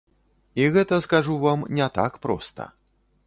І гэта, скажу вам, не так проста.